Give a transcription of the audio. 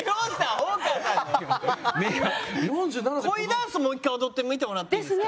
恋ダンスもう１回踊ってみてもらっていいですか？